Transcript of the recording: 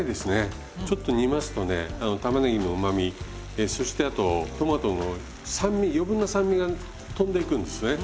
ちょっと煮ますとね玉ねぎのうまみそしてあとトマトの酸味余分な酸味がとんでいくんですね。